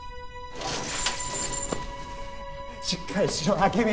しっかりしろ明美